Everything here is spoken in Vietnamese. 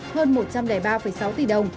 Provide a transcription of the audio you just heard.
hơn một trăm linh ba sáu tỷ đồng